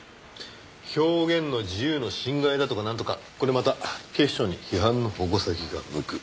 表現の自由の侵害だとかなんとかこれまた警視庁に批判の矛先が向く。